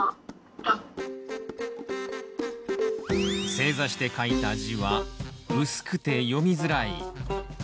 正座して書いた字はうすくて読みづらい。